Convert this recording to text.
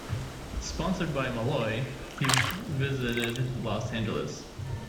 Sponsored by Malloy, he visited Los Angeles.